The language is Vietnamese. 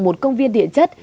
một công viên địa chất